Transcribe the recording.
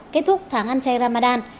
kết thúc tháng an chay ramadan